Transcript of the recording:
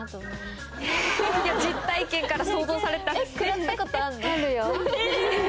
実体験から想像されたんですね。